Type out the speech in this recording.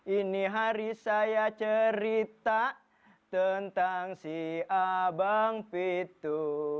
ini hari saya cerita tentang si abang pitu